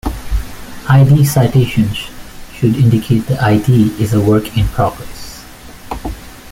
I-D citations should indicate the I-D is a "work in progress".